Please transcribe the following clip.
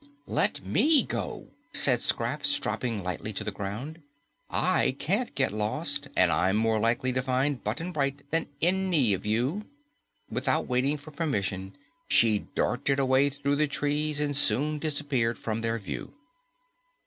"Let ME go," said Scraps, dropping lightly to the ground. "I can't get lost, and I'm more likely to find Button Bright than any of you." Without waiting for permission, she darted away through the trees and soon disappeared from their view.